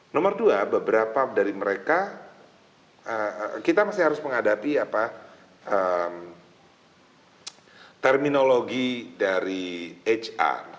nomor dua beberapa dari mereka kita masih harus menghadapi terminologi dari hr